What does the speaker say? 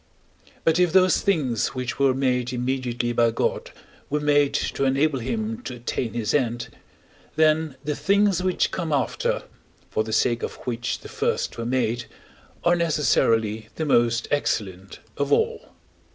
But if those things which were made immediately by God were made to enable him to attain his end, then the things which come after, for the sake of which the first were made, are necessarily the most excellent of all.